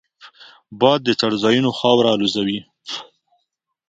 باد د څړځایونو خاوره الوزوي